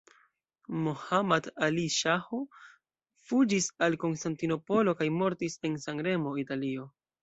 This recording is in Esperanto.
Mohammad Ali Ŝaho fuĝis al Konstantinopolo kaj mortis en San-Remo, Italio.